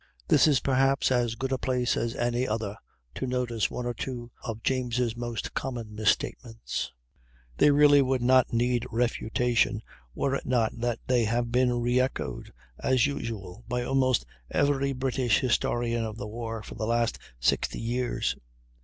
This is perhaps as good a place as any other to notice one or two of James' most common misstatements; they really would not need refutation were it not that they have been reechoed, as usual, by almost every British historian of the war for the last 60 years.